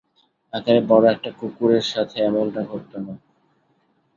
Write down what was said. আকারে বড় একটা কুকুরের সাথে এমনটা ঘটতো না।